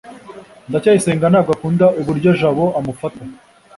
ndacyayisenga ntabwo akunda uburyo jabo amufata